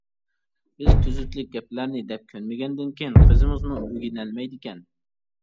بىز تۈزۈتلۈك گەپلەرنى دەپ كۆنمىگەندىن كېيىن قىزىمىزمۇ ئۆگىنەلمەيدىكەن.